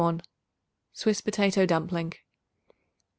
Swiss Potato Dumpling.